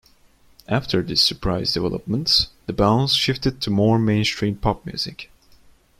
After this surprise development, The Bounce shifted to more mainstream pop music.